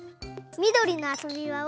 みどりのあそびばを。